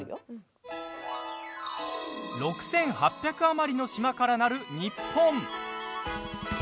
６８００余りの島から成る日本。